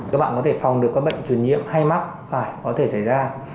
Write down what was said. các bạn có thể phòng được các bệnh truyền nhiễm hay mắc phải có thể xảy ra